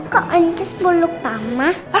kak anjus peluk mama